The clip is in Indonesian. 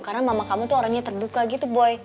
karena mama kamu tuh orangnya terduka gitu boy